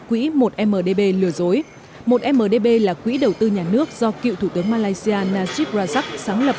quỹ một mdb lừa dối một mdb là quỹ đầu tư nhà nước do cựu thủ tướng malaysia najib rajak sáng lập